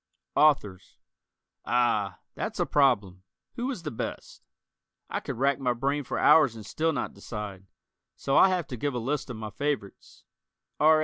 Authors: Ah, that's a problem. Who is the best? I could rack my brain for hours and still not decide, so I'll have to give a list of my favorites: R.